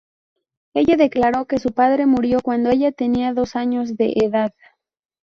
Ella declaró que su padre murió cuando ella tenía dos años de edad.